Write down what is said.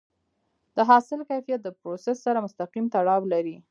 د حاصل کیفیت د پروسس سره مستقیم تړاو لري.